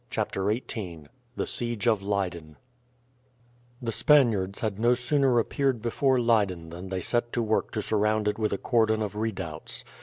CHAPTER XVIII THE SIEGE OF LEYDEN The Spaniards had no sooner appeared before Leyden than they set to work to surround it with a cordon of redoubts.